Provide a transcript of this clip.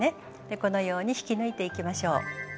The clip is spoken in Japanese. このように引き抜いていきましょう。